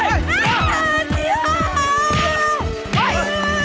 iblos jangan keluar dari belakang gue oke